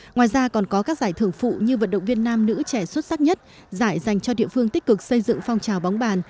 ngoài ra còn có các giải thưởng phụ như vận động viên nam nữ trẻ xuất sắc nhất giải dành cho địa phương tích cực xây dựng phong trào bóng bàn